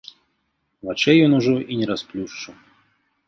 Вачэй ён ужо і не расплюшчыў.